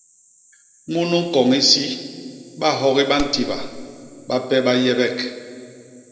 Munu ñkoñ isi bahogi ba ntiba, bape ba yebek.